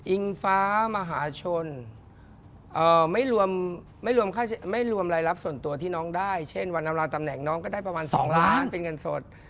ฟ้ามหาชนไม่รวมรายรับส่วนตัวที่น้องได้เช่นวันอำราตำแหน่งน้องก็ได้ประมาณ๒ล้านเป็นเงินสด